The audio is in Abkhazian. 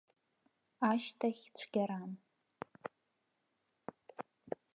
Ашьҭахь цәгьаран.